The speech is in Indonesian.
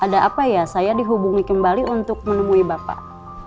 ada apa ya saya dihubungi kembali untuk menemui bapak